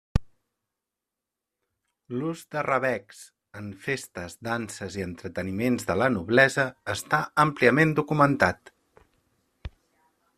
L'ús de rabecs en festes, danses i entreteniments de la noblesa està àmpliament documentat.